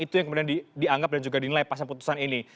itu yang kemudian dianggap dan juga dinilai pas keputusan putusan ini